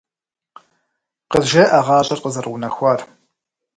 КъызжеӀэ гъащӀэр къызэрыунэхуар!